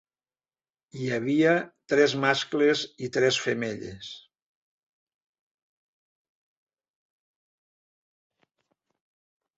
Hi havia tres mascles i tres femelles.